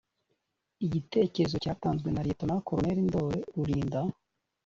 igitekerezo cyatanzwe na lt col ndore rurinda